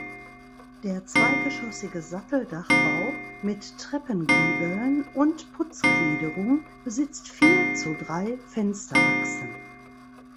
Der zweigeschossige Satteldachbau mit Treppengiebeln und Putzgliederung besitzt vier zu drei Fensterachsen.